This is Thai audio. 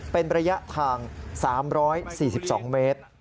เป็นระยะทาง๓๔๒เมตร